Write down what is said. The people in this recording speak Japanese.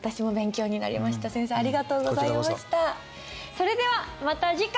それではまた次回！